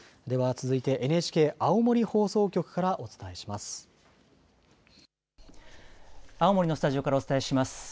では続いてＮＨＫ青森放送局からお伝えします。